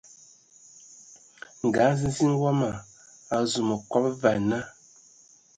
Nga nziziŋ wama o azu ma kɔb va ana.